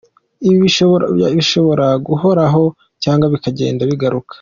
Ibi bishobora guhoraho cyangwa bikagenda bigaruka.